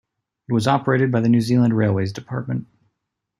It was operated by the New Zealand Railways Department.